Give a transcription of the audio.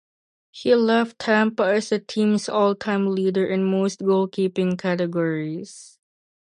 He left Tampa as the team's all-time leader in most goalkeeping categories.